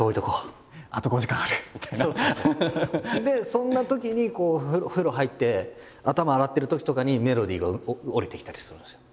そんなときに風呂入って頭洗っているときとかにメロディーが降りてきたりするんですよ。